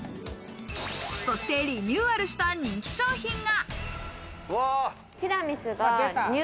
そして、リニューアルした人気商品が。